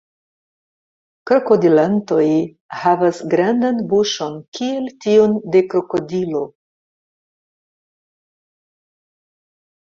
Krokodilantoj havas grandan buŝon kiel tiun de krokodilo.